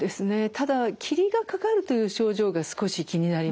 ただ霧がかかるという症状が少し気になります。